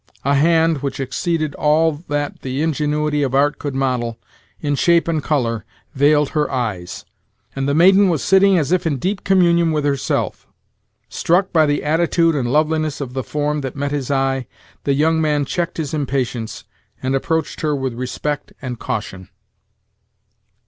A hand, which exceeded all that the ingenuity of art could model, in shape and color, veiled her eyes; and the maiden was sitting as if in deep communion with herself. Struck by the attitude and loveliness of the form that met his eye, the young man checked his impatience, and approached her with respect and caution.